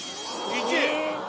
１位。